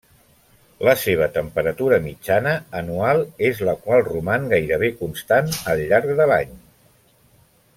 La seva temperatura mitjana anual és la qual roman gairebé constant al llarg de l'any.